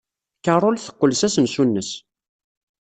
Carol teqqel s asensu-nnes.